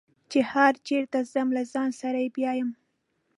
چې هر چېرته ځم له ځان سره یې بیایم.